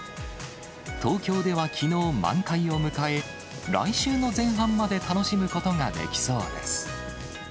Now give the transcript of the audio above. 東京ではきのう満開を迎え、来週の前半まで楽しむことができそうです。